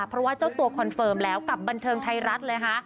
เพราะว่าเจ้าตัวคอนเฟิร์มแล้วกับบันเทิงไทยรัฐเลยค่ะ